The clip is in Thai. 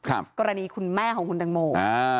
กรณีคุณแม่ของคุณตังโมอ่า